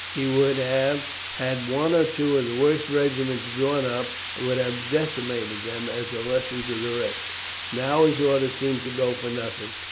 He would have had one or two of the worst regiments drawn up, and would have decimated them as a lesson to the rest. Now his orders seem to go for nothing.